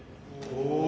お！